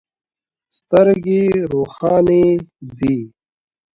سترګې روښانې دي.